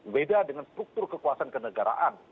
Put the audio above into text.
beda dengan struktur kekuasaan kenegaraan